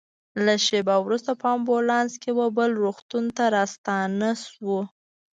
لږ شېبه وروسته په امبولانس کې وه بل روغتون ته راستانه شوو.